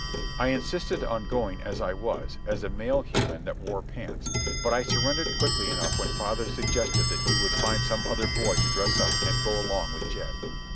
I insisted on going as I was, as a male human that wore pants; but I surrendered quickly enough when father suggested that he would find some other boy to dress up and go along with Jed.